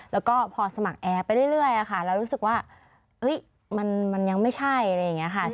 แล้วก็พอสมัครแอร์ไปเรื่อยค่ะเรารู้สึกว่ามันยังไม่ใช่อะไรอย่างนี้ค่ะ